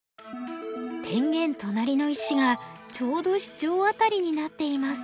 天元となりの石がちょうどシチョウアタリになっています。